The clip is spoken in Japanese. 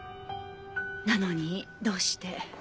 なのにどうして。